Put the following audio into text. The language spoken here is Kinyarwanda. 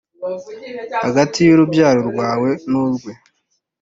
hagati y’urubyaro rwawe n’urwe